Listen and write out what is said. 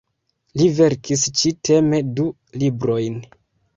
Li verkis ĉi-teme du librojn.